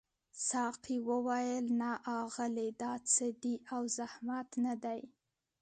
ساقي وویل نه اغلې دا څه دي او زحمت نه دی.